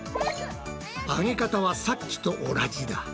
揚げ方はさっきと同じだ。